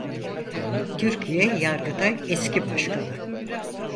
Türkiye Yargıtay eski başkanı.